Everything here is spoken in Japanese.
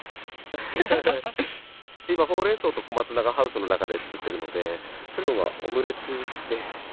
今ほうれん草と小松菜がハウスの中で作ってるので今日はオムレツにして。